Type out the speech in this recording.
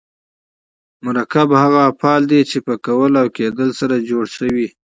مرکب هغه افعال دي، چي په کول او کېدل سره جوړ سوي یي.